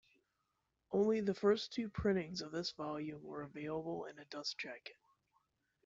Only the first two printings of this volume were available in a dust jacket.